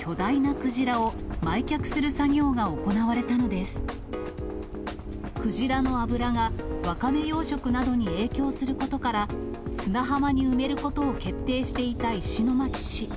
クジラの脂がワカメ養殖などに影響することから、砂浜に埋めることを決定していた石巻市。